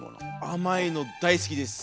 甘いの大好きです。